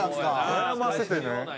悩ませてね。